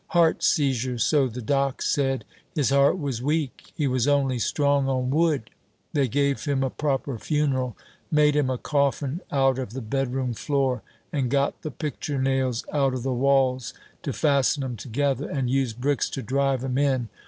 Heart seizure, so the doc' said. His heart was weak he was only strong on wood. They gave him a proper funeral made him a coffin out of the bedroom floor, and got the picture nails out of the walls to fasten 'em together, and used bricks to drive 'em in.